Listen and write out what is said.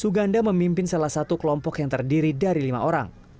suganda memimpin salah satu kelompok yang terdiri dari lima orang